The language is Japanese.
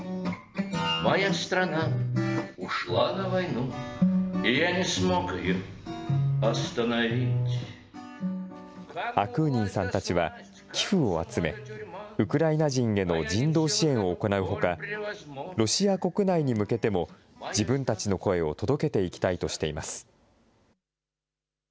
アクーニンさんたちは寄付を集め、ウクライナ人への人道支援を行うほか、ロシア国内に向けても自分たちの声を届けていきたいとしています。